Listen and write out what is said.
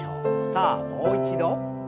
さあもう一度。